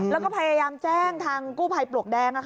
แล้วก็พยายามแจ้งทางกู้ภัยปลวกแดง